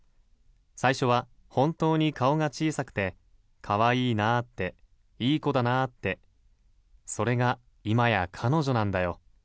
最初は本当に顔が小さくて可愛いなって、いい子だなってそれが今や彼女なんだよ！